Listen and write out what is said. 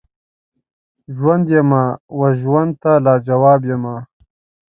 ژوند یمه وژوند ته لاجواب یمه